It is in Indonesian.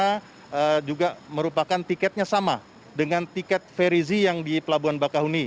karena juga merupakan tiketnya sama dengan tiket ferizi yang di pelabuhan bakahuni